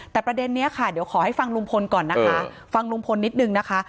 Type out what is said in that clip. แต่ประเด็นนี้ค่ะเดี๋ยวขอให้ฟังลุงพลก่อนนะคะฟังลุงพลนิดนึงนะคะ